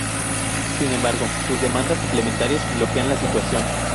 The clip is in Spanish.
Sin embargo, sus demandas suplementarias bloquean la situación.